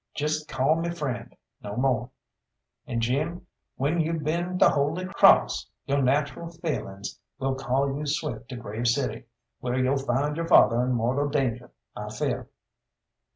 Just call me friend no more. And Jim, when you've been to Holy Crawss, yo' natural feelings will call you swift to Grave City, where you'll find your father in mortal danger, I feah."